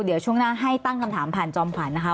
เดี๋ยวช่วงหน้าให้ตั้งคำถามผ่านจอมขวัญนะคะ